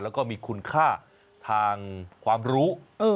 แล้วก็มีคุณค่าทางความรู้